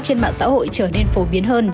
trên mạng xã hội trở nên phổ biến hơn